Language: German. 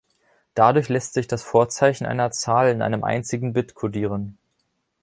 Dadurch lässt sich das Vorzeichen einer Zahl in einem einzigen Bit kodieren.